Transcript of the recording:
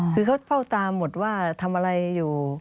คือเขาเฝ้าตามหมดว่าทำอะไรอยู่